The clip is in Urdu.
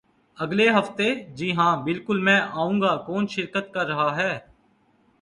اگلے ہفتے؟ جی ہاں، بالکل میں آئوں گا. کون شرکت کر رہا ہے؟